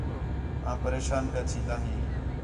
آں پریشان پیا تھین٘دا ہیں